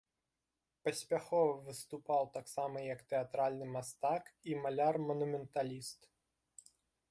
Паспяхова выступаў таксама як тэатральны мастак і маляр-манументаліст.